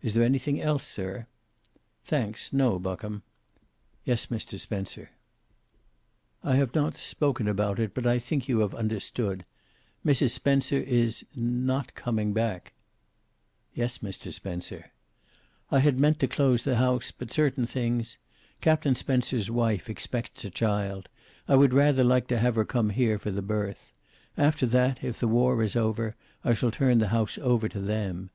"Is there anything else, sir?" "Thanks, no. Buckham." "Yes, Mr. Spencer." "I have not spoken about it, but I think you have understood. Mrs. Spencer is not coming back." "Yes, Mr. Spencer." "I had meant to close the house, but certain things Captain Spencer's wife expects a child. I would rather like to have her come here, for the birth. After that, if the war is over, I shall turn the house over to them.